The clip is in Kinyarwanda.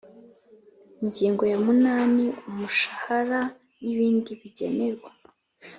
Ingingo ya munani Umushahara n’ibindi bigenerwa